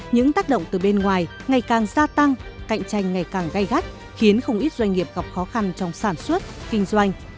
những tác động từ bên ngoài ngày càng gia tăng cạnh tranh ngày càng gây gắt khiến không ít doanh nghiệp gặp khó khăn trong sản xuất kinh doanh